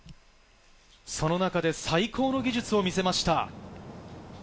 その中で最高の技術を見せました。